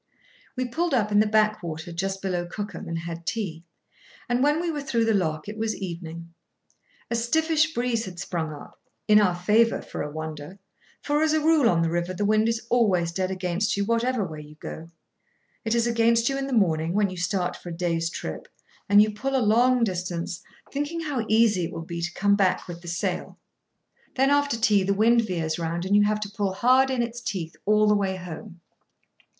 We pulled up in the backwater, just below Cookham, and had tea; and, when we were through the lock, it was evening. A stiffish breeze had sprung up—in our favour, for a wonder; for, as a rule on the river, the wind is always dead against you whatever way you go. It is against you in the morning, when you start for a day's trip, and you pull a long distance, thinking how easy it will be to come back with the sail. Then, after tea, the wind veers round, and you have to pull hard in its teeth all the way home.